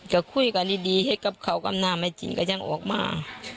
ก็คุยกันดีให้กับเขากำหน้ามาจินก็จะออกมา